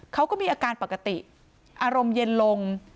เขาก็มีอาการปกติอารมณ์เย็นลง